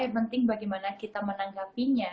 yang penting bagaimana kita menanggapinya